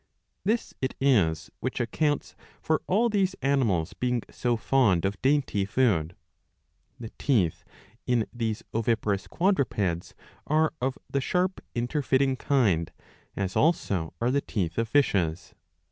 This it is which accounts for all these animals being so fond of dainty food.'^ The teeth in these oviparous quadrupeds are of the sharp interfitting kind, as also are the teeth of fishes.